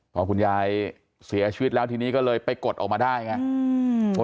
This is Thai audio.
พอคุณยายเสียชีวิตแล้วทีนี้ก็เลยไปกดออกมาได้ไง